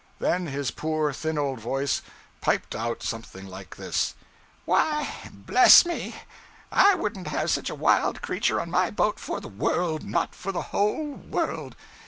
Then his poor, thin old voice piped out something like this: 'Why, bless me! I wouldn't have such a wild creature on my boat for the world not for the whole world!